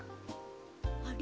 あれ？